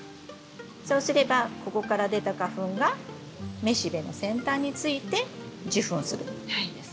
そうすればここから出た花粉が雌しべの先端について受粉するんです。